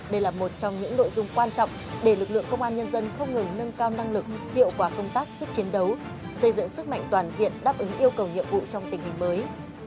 đây là một trong những nội dung quan trọng để lực lượng công an nhân dân không ngừng nâng cao năng lực hiệu quả công tác sức chiến đấu xây dựng sức mạnh toàn diện đáp ứng yêu cầu nhiệm vụ trong tình hình mới